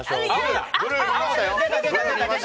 ブルー見ましたよ。